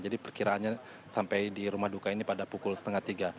jadi perkiraannya sampai di rumah duka ini pada pukul setengah tiga